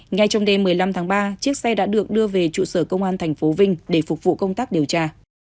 ngay trong đêm một mươi năm tháng ba chiếc xe đã được đưa về trụ sở công an tp vinh để phục vụ công tác điều tra